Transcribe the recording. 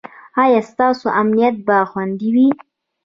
ایا ستاسو امنیت به خوندي وي؟